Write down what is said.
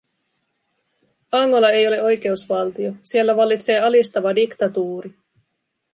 Angola ei ole oikeusvaltio, siellä vallitsee alistava diktatuuri.